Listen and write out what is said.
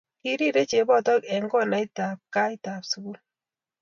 kirirei chebonoto eng konaitab kaitab sukul